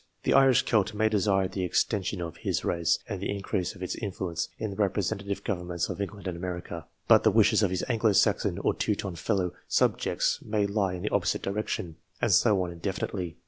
The Irish Celt may desire the extension of his race and the increase of its influence in the representative governments of England and America, but the wishes of his Anglo Saxon or Teuton fellow sub TO THE EDITION OF 1892 jects may lie in the opposite direction ; and so on indefin itely.